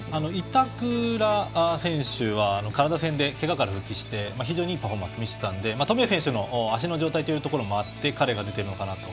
板倉選手はカナダ戦でけがから復帰して非常にいいパフォーマンスを見せていたので冨安選手の足の状態ということもあって彼が出ているのかなと。